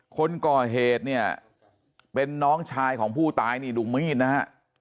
คนก่อเหตุเนี่ยเป็นน้องชายของผู้ตายนี่ดูมีดนะฮะ